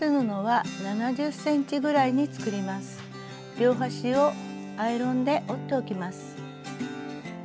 両端をアイロンで折っておきます。